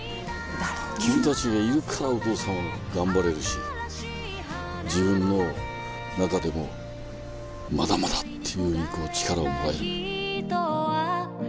君たちがいるからお父さんは頑張れるし自分の中でもまだまだっていう力をもらえる。